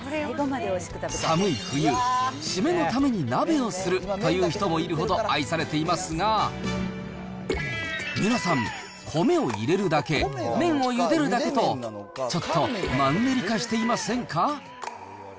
寒い冬、締めのために鍋をするという人もいるほど愛されていますが、皆さん、米を入れるだけ、麺をゆでるだけと、ちょっとマンネリ化していませんか？